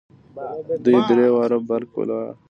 دوه درې واره برق ولاړ.